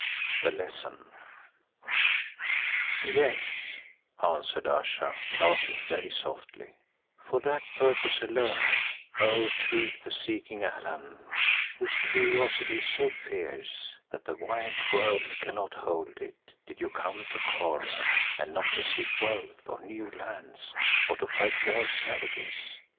THE LESSON "Yes," answered Ayesha, laughing very softly, "for that purpose alone, O truth seeking Allan, whose curiosity is so fierce that the wide world cannot hold it, did you come to Kôr and not to seek wealth or new lands, or to fight more savages.